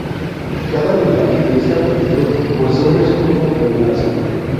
Cada linaje de este apellido posee un escudo o blasón.